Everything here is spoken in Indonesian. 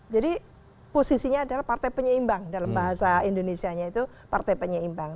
posisinya adalah partai penyeimbang dalam bahasa indonesia nya itu partai penyeimbang